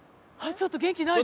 ちょっと元気ないぞ。